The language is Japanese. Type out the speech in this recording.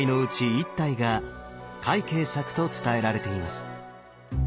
１体が快慶作と伝えられています。